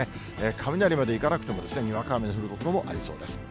雷までいかなくても、にわか雨の降る所もありそうです。